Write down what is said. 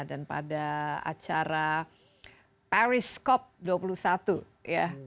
dan pada acara paris cop dua puluh satu ya presiden jokowi juga